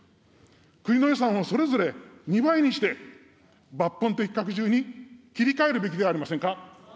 国の予算をそれぞれ２倍にして、抜本的拡充に切り替えるべきではありませんか。